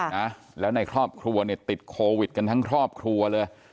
นะแล้วในครอบครัวเนี่ยติดโควิดกันทั้งครอบครัวเลย